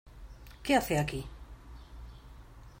¿ Qué hace aquí?